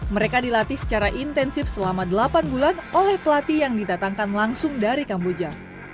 mereka dilatih secara intensif selama delapan bulan oleh pelatih yang didatangkan langsung dari kamboja